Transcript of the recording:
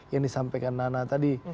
yang disampaikan nana tadi